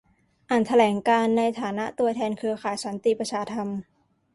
อ่านแถลงการณ์ในฐานะตัวแทนเครือข่ายสันติประชาธรรม